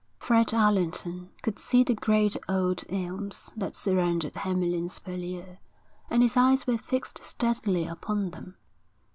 Fred Allerton could see the great old elms that surrounded Hamlyn's Purlieu; and his eyes were fixed steadily upon them.